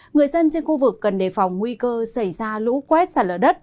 người dân trên khu vực cần đề phòng nguy cơ xảy ra lũ quét sạt lở đất